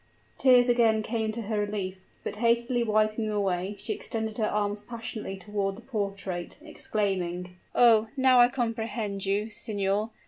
Tears again came to her relief; but hastily wiping them away, she extended her arms passionately toward the portrait, exclaiming, "Oh! now I comprehend you, signor!